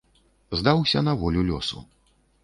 Здаўся на волю лёсу.